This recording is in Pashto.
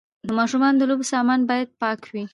د ماشوم د لوبو سامان باید پاک وي۔